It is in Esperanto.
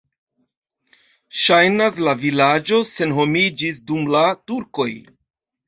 Ŝajnas, la vilaĝo senhomiĝis dum la turkoj.